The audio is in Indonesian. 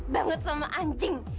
banget sama anjing